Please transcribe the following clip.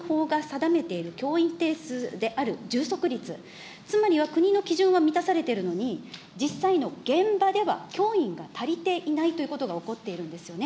ほうが定めている教員定数である充足率、つまりは国の基準は満たされてるのに、実際の現場では教員が足りていないということが起こっているんですよね。